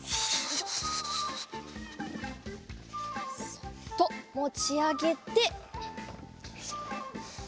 そっともちあげて。